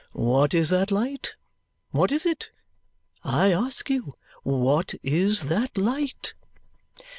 What is that light? What is it? I ask you, what is that light?"